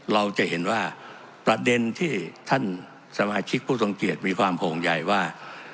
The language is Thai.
เราจะเห็นว่าประเด็นที่ท่านสมาชิกผู้ทรงเกียจมีความห่วงใหญ่ว่า